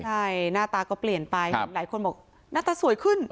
ใช่หน้าตาก็เปลี่ยนไปหลายคนบอกหน้าตาสวยขึ้น